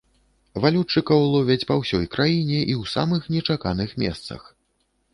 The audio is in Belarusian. Валютчыкаў ловяць па ўсёй краіне і ў самых нечаканых месцах.